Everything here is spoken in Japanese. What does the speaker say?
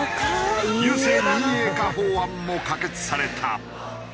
郵政民営化法案も可決された。